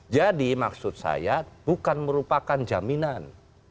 jadi maksud saya bukan merupakan jaminan